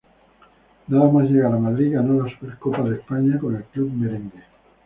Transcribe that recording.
Nada más llegar a Madrid ganó la Supercopa de España con el club merengue.